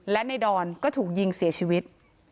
และในดอนก็ถูกยิงเสียชีวิต